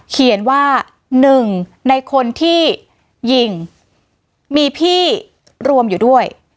เขียนว่าหนึ่งในคนที่ยิงมีพี่รวมอยู่ด้วย